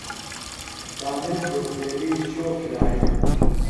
کامل فُٹبیلی شو کِھلاڑیۡ دےۡ۔